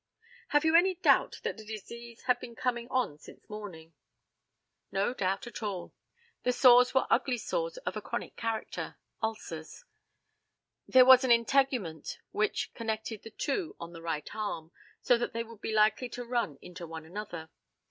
Have you any doubt that the disease had been coming on since the morning? No doubt at all. The sores were ugly sores of a chronic character ulcers. There was an integument which connected the two on the right arm, so that they would be likely to run into one another.